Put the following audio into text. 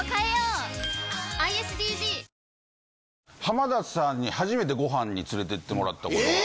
浜田さんに初めてご飯に連れていってもらったことが。